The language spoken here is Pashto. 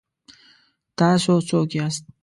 ـ تاسو څوک یاست؟